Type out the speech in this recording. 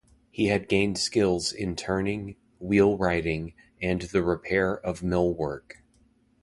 He had gained skills in turning, wheel-wrighting and the repair of mill work.